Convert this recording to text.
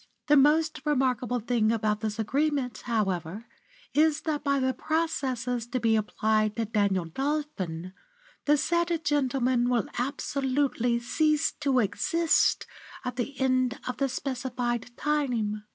The most remarkable thing about this agreement, however, is that by the processes to be applied to Daniel Dolphin, the said gentleman will absolutely cease to exist at the end of the specified time.